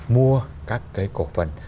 mua các cái cổ phần